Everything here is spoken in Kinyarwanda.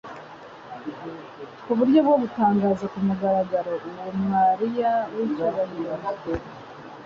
ku buryo gutangaza ku mugaragaro uwo mwariya w'icyubahiro